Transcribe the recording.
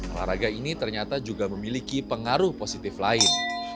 olahraga ini ternyata juga memiliki pengaruh positif lain